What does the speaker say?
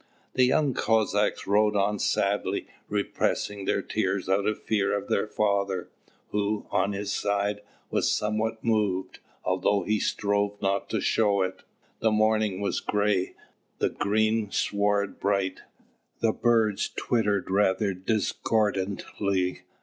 The young Cossacks rode on sadly, repressing their tears out of fear of their father, who, on his side, was somewhat moved, although he strove not to show it. The morning was grey, the green sward bright, the birds twittered rather discordantly.